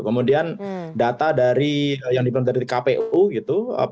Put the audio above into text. kemudian data dari yang diperintah dari kpu gitu